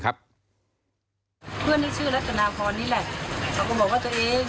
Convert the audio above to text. นะครับเพื่อนที่ชื่อนี่แหละเขาก็บอกว่าตัวเอง